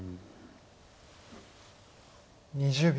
２０秒。